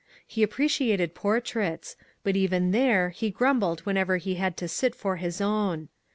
He appre ciated portraits, but even there he grumbled whenever he had to sit for his own.